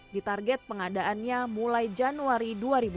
di target pengadaannya mulai januari dua ribu dua puluh satu